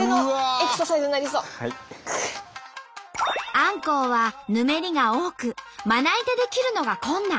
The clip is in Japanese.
あんこうはヌメリが多くまな板で切るのが困難。